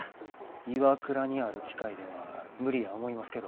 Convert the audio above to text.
ＩＷＡＫＵＲＡにある機械では無理や思いますけど。